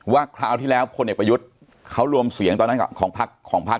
ว่าคราวที่แล้วพเปยุทธ์เขารวมเสียงตอนนั้นของพัก